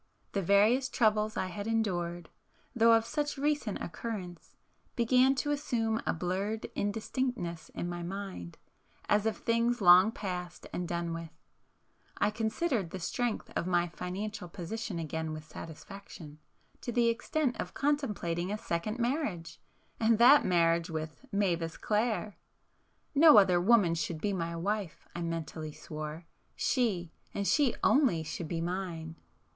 The various troubles I had endured, though of such recent occurrence, began to assume a blurred indistinctness in my mind, as of things long past and done with,—I considered the strength of my financial position again with satisfaction, to the extent of contemplating a second marriage—and that marriage with—Mavis Clare! No other woman should be my wife, I mentally swore,—she, and she only should be mine!